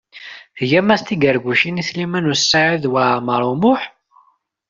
Tgam-as-d tigargucin i Sliman U Saɛid Waɛmaṛ U Muḥ.